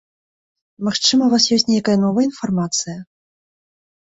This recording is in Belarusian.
Магчыма, у вас ёсць нейкая новая інфармацыя?